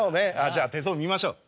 じゃあ手相見ましょう。